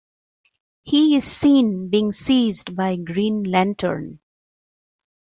He is seen being seized by Green Lantern.